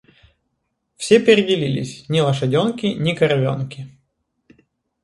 Все переделились, ни лошаденки, ни коровенки.